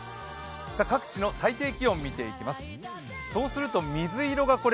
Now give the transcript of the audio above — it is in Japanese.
各地の最低気温見ていきます。